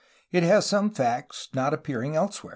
It has some facts not appearing elsewhere.